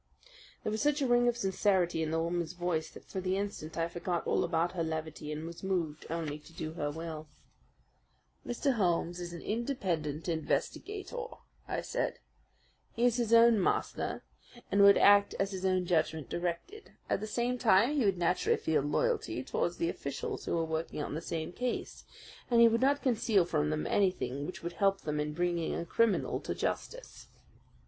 There was such a ring of sincerity in the woman's voice that for the instant I forgot all about her levity and was moved only to do her will. "Mr. Holmes is an independent investigator," I said. "He is his own master, and would act as his own judgment directed. At the same time, he would naturally feel loyalty towards the officials who were working on the same case, and he would not conceal from them anything which would help them in bringing a criminal to justice.